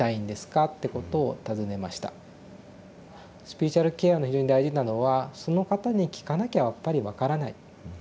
スピリチュアルケアで非常に大事なのはその方に聞かなきゃやっぱり分からない。